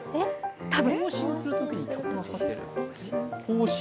多分。